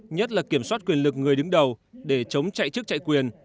nhất là kiểm soát quyền lực người đứng đầu để chống chạy chức chạy quyền